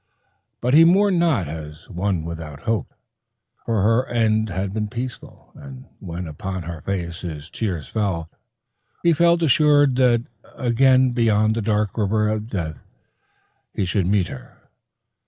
But he mourned not as one without hope, for her end had been peace, and when upon her face his tears fell he felt assured that again beyond the dark river of death he should meet her.